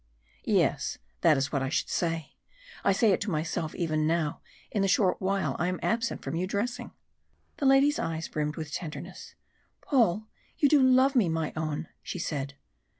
"Yes, that is what I should say I say it to myself now even in the short while I am absent from you dressing!" The lady's eyes brimmed with tenderness. "Paul! you do love me, my own!" she said.